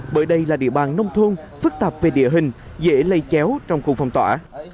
bởi đây là địa bàn nông thôn phức tạp về địa hình dễ lây chéo trong khu phong tỏa